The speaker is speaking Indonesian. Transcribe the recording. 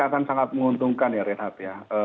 akan sangat menguntungkan ya rehat